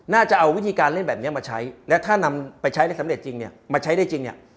น่าจะเอาวิธีการเล่นแบบนี้มาใช้และถ้านำไปใช้ได้สำเร็จจริงเนี่ยมาใช้ได้จริงเนี่ย